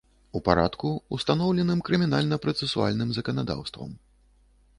У парадку, устаноўленым крымінальна-працэсуальным заканадаўствам.